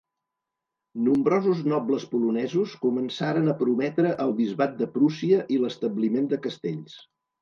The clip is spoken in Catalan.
Nombrosos nobles polonesos començaren a prometre el bisbat de Prússia i l'establiment de castells.